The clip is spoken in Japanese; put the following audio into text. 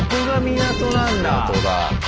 港だ。